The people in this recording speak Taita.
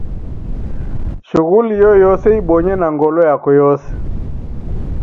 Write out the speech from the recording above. Shughuli iyoyose ibonye na ngolo yako yose.